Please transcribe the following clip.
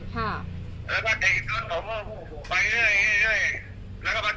มันก็กลับรถเอารถมาฝากหน้าผมผมก็ชนเลยครับ